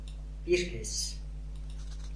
Bir kez.